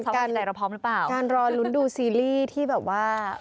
คือการร้อนรุ้นดูซีรีส์ที่แบบว่า